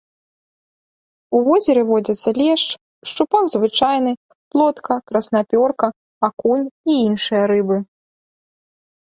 У возеры водзяцца лешч, шчупак звычайны, плотка, краснапёрка, акунь і іншыя рыбы.